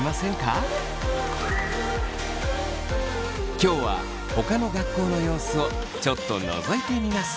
今日はほかの学校の様子をちょっとのぞいてみます。